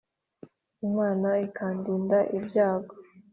imana ikandinda ibyayo,